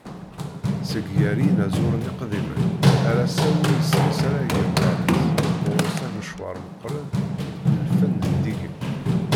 Seg gar yinaẓuren iqdimen, ar ass-a ur yesris ara agambar-is, ɣur-s amecwar meqqren n lfen zeddigen.